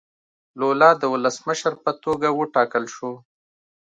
لولا د ولسمشر په توګه وټاکل شو.